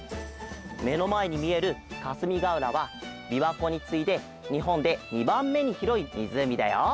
めのまえにみえるかすみがうらはびわこについでにほんで２ばんめにひろいみずうみだよ。